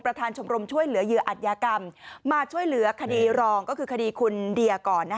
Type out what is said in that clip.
ชมรมช่วยเหลือเหยื่ออัตยากรรมมาช่วยเหลือคดีรองก็คือคดีคุณเดียก่อน